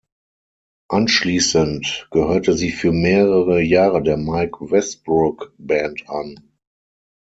Anschließend gehörte sie für mehrere Jahre der Mike-Westbrook-Band an.